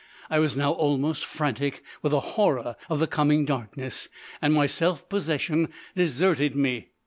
I was now almost frantic with the horror of the coming darkness, and my self possession deserted me.